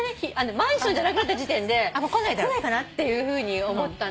マンションじゃなくなった時点で来ないかなっていうふうに思ったんだけど。